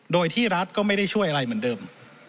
โดยที่รัฐก็ไม่ได้ช่วยอะไรเหมือนเดิม